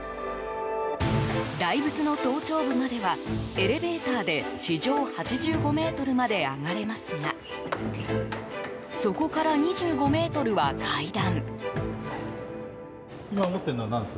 大仏の頭頂部まではエレベーターで地上８５ｍまで上がれますがそこから２５ｍは階段。